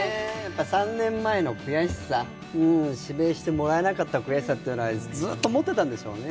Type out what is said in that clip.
３年前の悔しさ、指名してもらえなかった悔しさというのはずーっと持っていたんでしょうね。